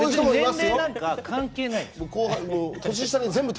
年齢なんか関係ない。